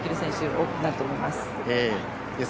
多くなると思います。